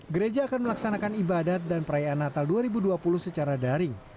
gereja akan melaksanakan ibadat dan perayaan natal dua ribu dua puluh secara daring